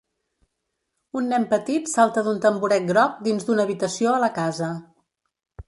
Un nen petit salta d'un tamboret groc dins d'una habitació a la casa.